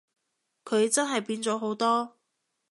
佢真係變咗好多